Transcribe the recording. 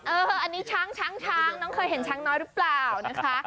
อันนี้ช้างช้างน้องเคยเห็นช้างน้อยหรือเปล่านะคะ